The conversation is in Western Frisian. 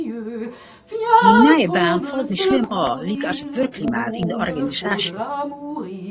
Myn nije baan falt my slim ôf, lykas it wurkklimaat yn de organisaasje.